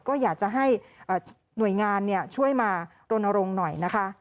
ก็อยากจะให้หน่วยงานเนี่ยช่วยมาโรนโรงหน่อยนะคะ